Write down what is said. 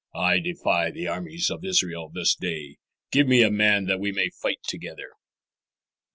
I defy the armies of Israel this day. Give me a man that we may fight together."